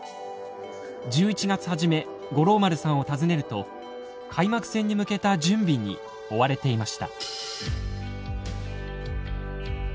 １１月初め五郎丸さんを訪ねると開幕戦に向けた準備に追われていました。